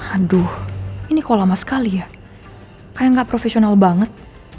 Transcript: aduh ini kok lama sekali ya kayak nggak profesional banget